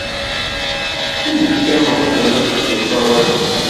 Sellket ameɣbun akked uẓawali.